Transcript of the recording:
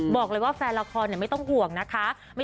บอกเลยว่าแฟนละครไม่ต้องห่วงนะคะ